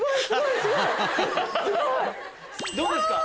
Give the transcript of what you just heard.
どうですか！